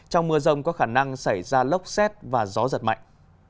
trong mưa rông có khả năng xảy ra lốc xét và gió giật mạnh